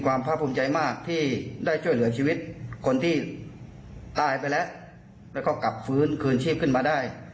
พระภูมิใจมากที่ได้ช่วยเหลือชีวิตคนที่ตายไปแล้วแล้วก็กลับฟื้นคืนชีพขึ้นมาได้